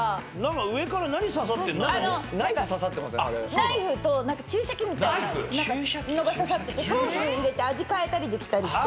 ナイフと注射器みたいなのが刺さっててソース入れて味変えたりできたりして。